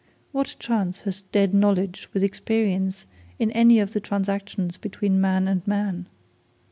What chance has dead knowledge with experience in any of the transactions between man and man?